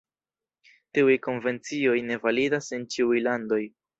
Tiuj konvencioj ne validas en ĉiuj landoj.